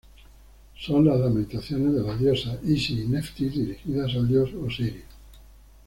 Son las lamentaciones de las diosas Isis y Neftis dirigidas al dios Osiris.